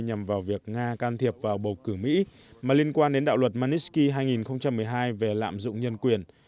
nhằm vào việc nga can thiệp vào bầu cử mỹ mà liên quan đến đạo luật manisky hai nghìn một mươi hai về lạm dụng nhân quyền